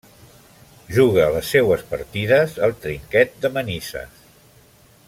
Juga les seues partides al Trinquet de Manises.